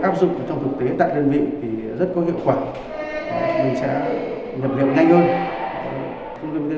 áp dụng trong thực tế tại đơn vị thì rất có hiệu quả mình sẽ nhập điệu nhanh hơn trung tâm y tế